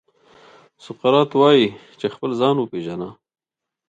سقراط وايي چې خپل ځان وپېژنه.